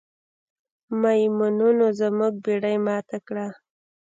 میمونونو زموږ بیړۍ ماته کړه.